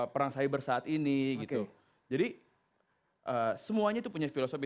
perang cyber saat ini gitu jadi semuanya itu punya filosofi